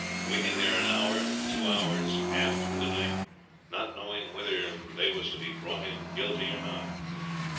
waiting there an hour two hours, half through the night, not knowing whether they was to be brought in guilty or not.